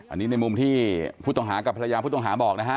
อันนี้ในมุมที่ผู้ต้องหากับภรรยาผู้ต้องหาบอกนะฮะ